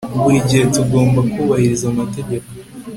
Buri gihe tugomba kubahiriza amategeko